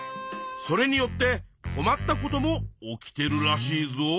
それによってこまったことも起きてるらしいぞ。